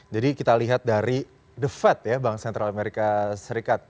jadi kita lihat dari the fed ya bank central amerika serikat